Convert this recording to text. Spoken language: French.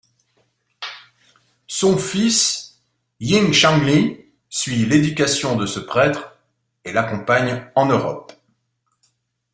Son fils, Ying Qianli, suit l'éducation de ce prêtre, et l'accompagne en Europe.